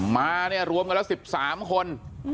มาเนี่ยรวมกันแล้ว๑๓คน